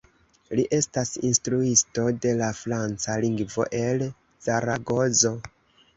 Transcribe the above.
Li estas instruisto de la franca lingvo el Zaragozo.